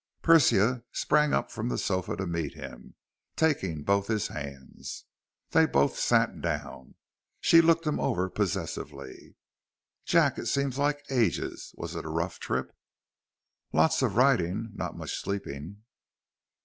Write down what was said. Persia sprang up from the sofa to meet him, taking both his hands. They both sat down. She looked him over possessively. "Jack, it seems like ages. Was it a rough trip?" "Lots of riding, not much sleeping."